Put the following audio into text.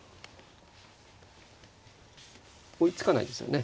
追いつかないですよね